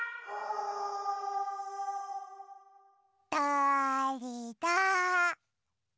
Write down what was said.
だれだ？